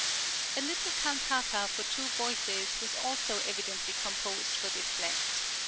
} (56) A little cantata for two voices was also evidently composed for this Lent.